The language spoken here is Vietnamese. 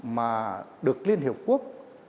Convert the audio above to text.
mà được liên hợp quốc